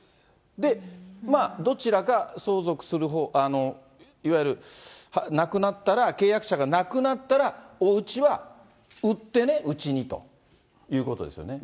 で、どちらか相続するほう、いわゆる亡くなったら、契約者が亡くなったら、おうちは売ってね、うちにということですよね。